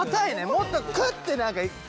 もっとクッて何かガッて。